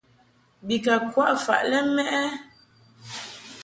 Bi ka kwaʼ faʼ lɛ mɛʼ ɛ ?